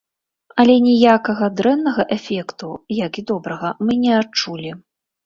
Але ніякага дрэннага эфекту, як і добрага, мы не адчулі.